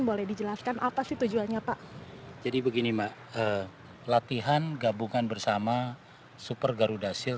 boleh dijelaskan apa sih tujuannya pak jadi begini mbak latihan gabungan bersama super garuda shield